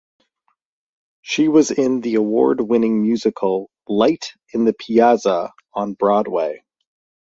She was in the award-winning musical "Light in the Piazza" on Broadway.